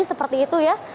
seperti itu ya